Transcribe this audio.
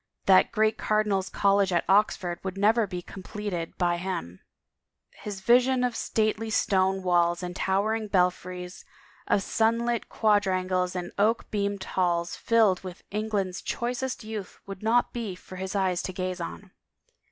That great Car dinals' College at Oxford would never be completed by him; his vision of stately stone walls and towering belfries, of sunlit quadrangles and oak beamed halls filled with England's choicest youth would not be for his eyes to gaze on.